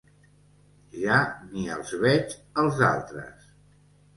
Ja ni els veig, els altres.